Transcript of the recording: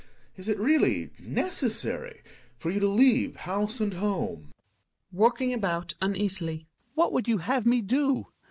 Is it really necessary for you to leave house and home ? Hjalmar (walking about uneasily). What would you have me do?